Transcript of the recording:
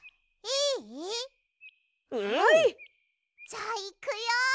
じゃあいくよ！